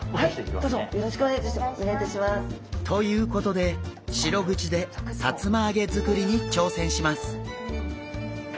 どうぞよろしくお願いいたします。ということでシログチでさつま揚げ作りに挑戦します！